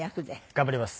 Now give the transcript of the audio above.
頑張ります。